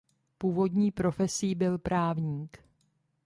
Původní profesí byl právník.